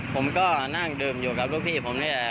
ผมก็นั่งดื่มอยู่กับลูกพี่ผมนี่แหละ